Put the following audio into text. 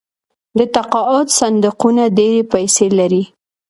د تقاعد صندوقونه ډیرې پیسې لري.